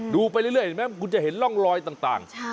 ไปเรื่อยเห็นไหมคุณจะเห็นร่องลอยต่าง